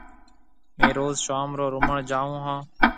ميه روز شوم رو روُمڻ جاون هون۔